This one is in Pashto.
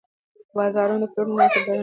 بازار د پلورونکو او خریدارانو ځای دی.